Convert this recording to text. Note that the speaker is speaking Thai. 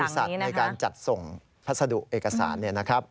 อีกหลายบริษัทในการจัดส่งพัสดุเอกสารเนี่ยนะครับ